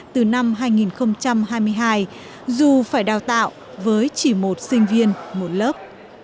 từ năm hai nghìn hai mươi hai dù phải đào tạo với chỉ một sinh viên một lớp